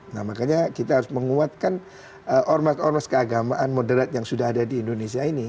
nah makanya kita harus menguatkan ormas ormas keagamaan moderat yang sudah ada di indonesia ini